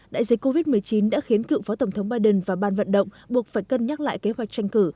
đại dịch covid một mươi chín đã khiến cựu phó tổng thống biden và ban vận động buộc phải cân nhắc lại kế hoạch tranh cử